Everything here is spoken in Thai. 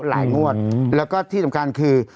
งวดแล้วก็ที่สำคัญคือ